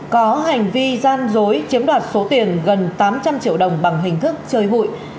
có hành vi gian dối chiếm đoạt số tiền gần tám trăm linh triệu đồng bằng hình thức chơi hụi